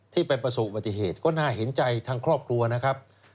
ที่เป็นประสูรปฏิเหตุก็น่าเห็นใจทั้งครอบครัวนะครับ